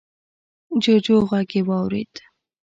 جوجو غږ يې واورېد.